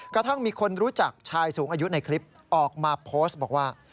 กระทั่งมีคนรู้จักชายสูงอายุในคลิปออกมาโพสต์บอกว่า